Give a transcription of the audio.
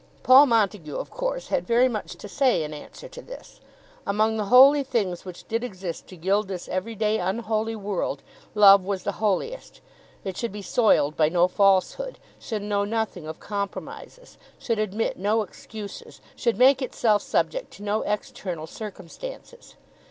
Paul Montague of course had very much to say in answer to this. Among the holy things which did exist to gild this every day unholy world, love was the holiest. It should be soiled by no falsehood, should know nothing of compromises, should admit no excuses, should make itself subject to no external circumstances.